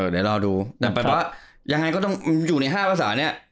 เดี๋ยวรอดูแต่แปลว่ายังไงก็ต้องอยู่ใน๕ภาษาเนี่ย